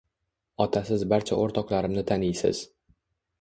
Ota siz barcha oʻrtoqlarimni taniysiz.